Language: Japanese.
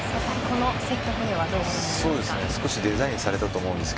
このセットプレーはどうご覧になりますか？